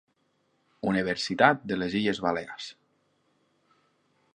Universitat de les Illes Balears.